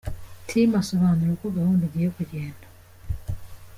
Tim asobanura uko gahunda igiye kugenda.